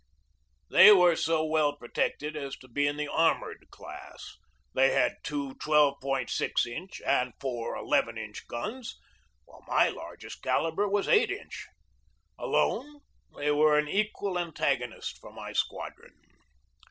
They were so well protected as to be in the armored class. They had two 12.6 inch and four n inch guns, while my largest calibre was 8 inch. Alone, they were an equal an tagonist for my squadron.